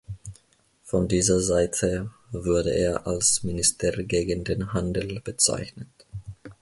Von dieser Seite wurde er als „Minister gegen den Handel“ bezeichnet.